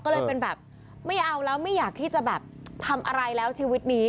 ก็เลยเป็นแบบไม่เอาแล้วไม่อยากที่จะแบบทำอะไรแล้วชีวิตนี้